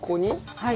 はい。